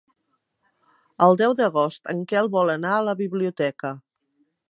El deu d'agost en Quel vol anar a la biblioteca.